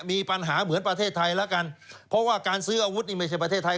มีปัญหาเหมือนประเทศไทยแล้วกันเพราะว่าการซื้ออาวุธนี่ไม่ใช่ประเทศไทย